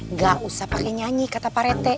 nggak usah pakai nyanyi kata pak rete